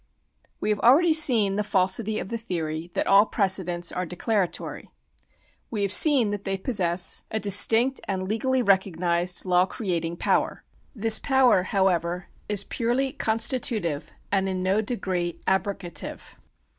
We have already seen the falsity of the theory that all precedents are declaratory. We have seen that they possess § OG] PRECEDENT 1G9 a distinct and legally recognised law creating power. This power, however, is pui^lj^ constitutive and in no degree abro gative.